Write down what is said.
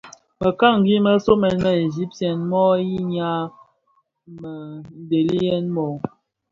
Mëkangi më somèn më Egyptien mo yinnya mëdhèliyèn no?